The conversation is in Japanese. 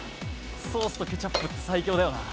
ソースとケチャップって最強だよな。